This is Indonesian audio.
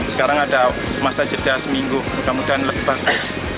sekarang ada masa jeda seminggu mudah mudahan lebih bagus